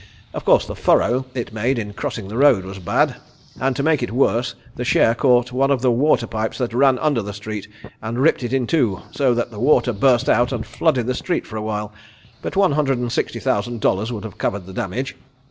Of course the furrow it made in crossing the road was bad, and to make it worse the share caught one of the water pipes that ran under the street, and ripped it in two so that the water burst out and flooded the street for a while, but one hundred and sixty thousand dollars would have covered the damage."